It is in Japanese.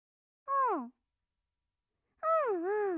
うん。